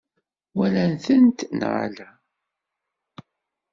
Walan-tent neɣ ala?